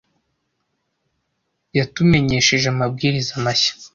Yatumenyesheje amabwiriza mashya.